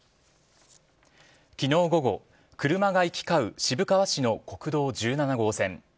昨日午後、車が行き交う渋川市の国道１７号線。